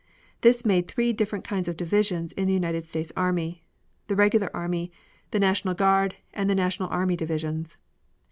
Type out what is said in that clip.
This made three different kinds of divisions in the United States army the Regular army, the National Guard, and National army divisions.